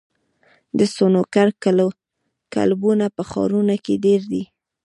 د سنوکر کلبونه په ښارونو کې ډېر دي.